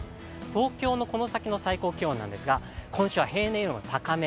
東京のこの先の最高気温ですが、今週は平年よりも高め。